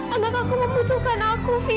anak aku membutuhkan aku sih